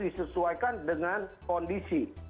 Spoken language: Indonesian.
disesuaikan dengan kondisi